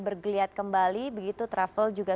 bergeliat kembali begitu travel juga